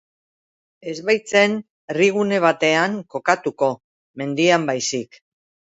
Ez baitzen herrigune batean kokatuko, mendian baizik.